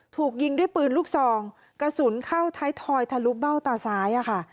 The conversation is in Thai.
ถูกยิงด้วยปืนลูกซองกระสุนเข้าท้ายทอยทะลุเบ้าตาซ้ายอะค่ะ